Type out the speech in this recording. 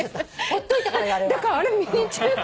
ほっといたからよ